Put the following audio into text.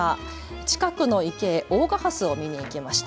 近くの池へ大賀ハスを見に行きました。